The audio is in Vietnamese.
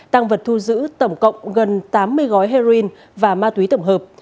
tăng vật thu giữ tổng cộng gần tám mươi gói heroin và ma túy tổng hợp